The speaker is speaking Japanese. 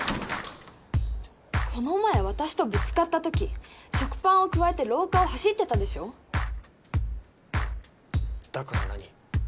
この前私とぶつかったとき食パンをくわえて廊下を走ってたでしょだから何？